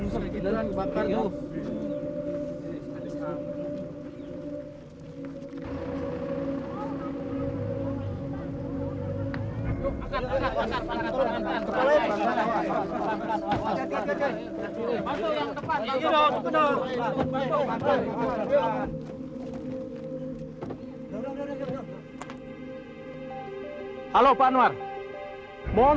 selamat pagi pak komandan